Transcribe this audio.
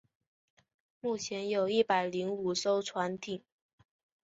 目前有一百零五艘船艇。